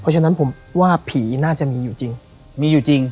เพราะฉะนั้นผมว่าผีน่าจะมีอยู่จริงมีอยู่จริง